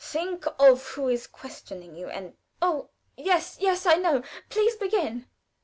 Think of who is questioning you, and " "Oh, yes, yes, I know. Please begin."